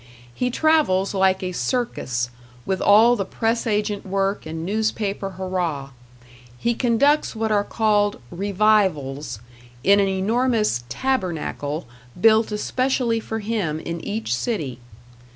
He travels like a circus, with all the press agent work and newspaper hurrah; he conducts what are called "revivals", in an enormous "tabernacle" built especially for him in each city.